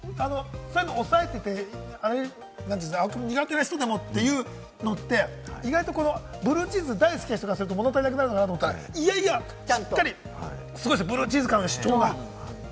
押さえてて、青カビが苦手な人でもというのって、意外とブルーチーズ大好きな人からすると物足りなくなるかなと思ったら、いやいやしっかり、すごいブルーチーズ感の主張が。